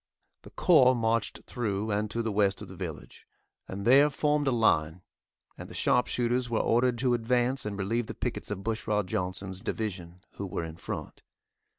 The corps marched through and to the west of the village, and there formed a line, and the sharpshooters were ordered to advance and relieve the pickets of Bushrod Johnson's division, who were in front.